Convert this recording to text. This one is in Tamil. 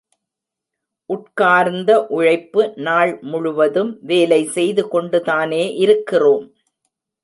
உட்கார்ந்த உழைப்பு நாள் முழுவதும் வேலை செய்து கொண்டுதானே இருக்கிறோம்.